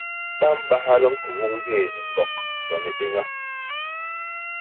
Ba mbahal ñkogo ñgé ni ñgok to ni éña.